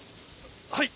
はい。